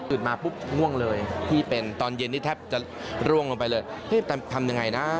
มาปุ๊บง่วงเลยพี่เป็นตอนเย็นนี่แทบจะร่วงลงไปเลยทำยังไงนะ